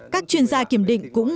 các chuyên gia kiểm định cũng mong